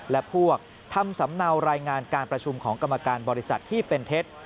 และพวกทำสำเนารายงานการประชุมของกรรมการบริษัทที่เป็นเท็จ